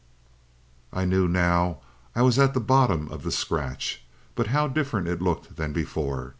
"I knew, now, I was at the bottom of the scratch. But how different it looked than before.